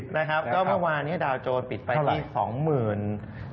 นะครับก็เมื่อวานนี้ดาวโจรปิดไปกว่า๒๗๔๓นะ